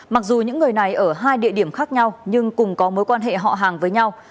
mặc dù những người này ở hai địa điểm khác nhau nhưng cùng có mối quan hệ họ hàng với nhau